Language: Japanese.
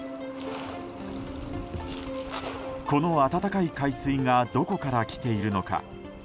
この暖かい海水がどこから来ているのか。